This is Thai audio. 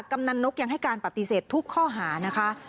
กำนันนกยังให้การปฏิเสธทุกข้อหานะคะ